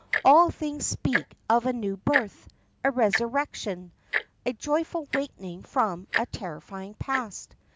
All things speak of a new birth, a resurrection, a joyful waking from a terrifying past.